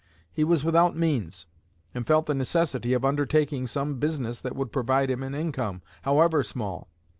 He was without means, and felt the necessity of undertaking some business that would provide him an income, however small.